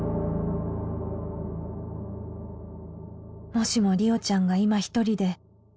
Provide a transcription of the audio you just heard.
「もしも莉桜ちゃんが今一人で」